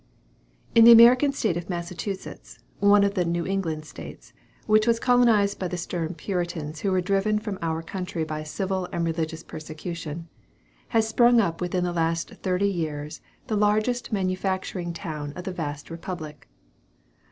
In the American state of Massachusetts, one of the New England states, which was colonized by the stern Puritans who were driven from our country by civil and religious persecution, has sprung up within the last thirty years the largest manufacturing town of the vast republic.